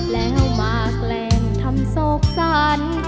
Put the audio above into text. แล้วมาแกล้งทำโศกสรร